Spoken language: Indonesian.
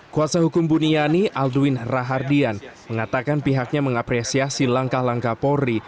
kuasa hukum buniani aldwin rahardian mengatakan pihaknya mengapresiasi langkah langkah polri